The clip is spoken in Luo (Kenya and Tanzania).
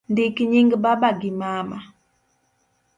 Ndik nying baba gi mama